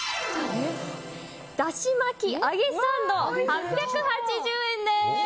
だし巻き揚げサンド８８０円です。